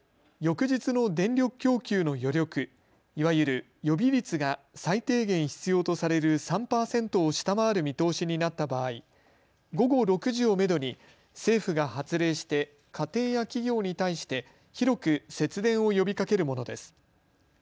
翌日の電力供給の余力、いわゆる予備率が最低限必要とされる３％を下回る見通しになった場合、午後６時をめどに政府が発令して家庭や企業に対して広く節電を呼びかけるものです。